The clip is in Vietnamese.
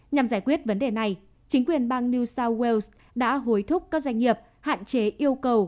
nhằm giải quyết vấn đề này chính quyền bang new south wales đã hối thúc các doanh nghiệp hạn chế yêu cầu